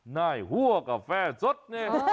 นายหัวกาแฟสดเนี่ย